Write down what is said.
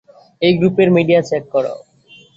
এই গ্রুপের media check কর।